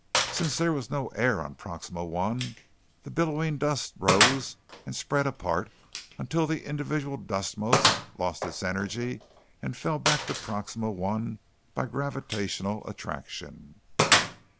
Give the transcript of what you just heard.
Since there was no air on Proxima I, the billowing dust rose and spread apart until the individual dust mote lost its energy and fell back to Proxima I by gravitational attraction.